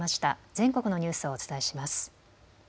全国のニュースをお伝えします。